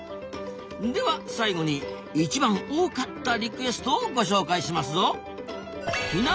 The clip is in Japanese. では最後に一番多かったリクエストをご紹介しますぞ。